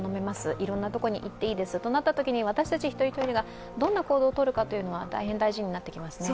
いろんな所に行っていいですとなったときに私たち一人一人がどんな行動をとるかは大変大事になってきます。